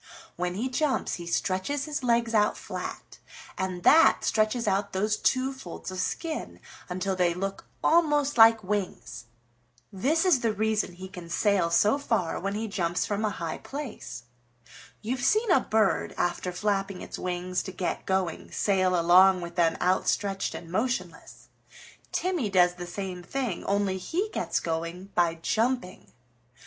"When he jumps he stretches his legs out flat, and that stretches out those two folds of skin until they look almost like wings. This is the reason he can sail so far when he jumps from a high place. You've seen a bird, after flapping its wings to get going, sail along with them outstretched and motionless. Timmy does the same thing, only he gets going by jumping.